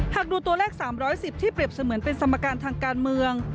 หากดูตัวเลข๓๑๐ที่เปรียบเสมือนเป็นสมการทางการเมือง